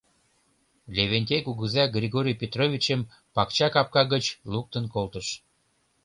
Левентей кугыза Григорий Петровичым пакча капка гыч луктын колтыш.